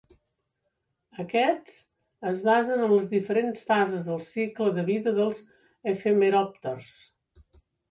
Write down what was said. Aquests es basen en les diferents fases del cicle de vida dels efemeròpters.